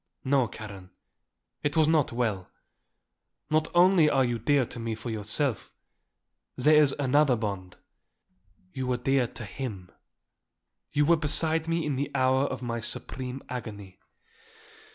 No, Karen, it was not well. Not only are you dear to me for yourself; there is another bond. You were dear to him. You were beside me in the hour of my supreme agony.